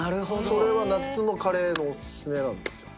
それは夏のカレーのおすすめなんですよ。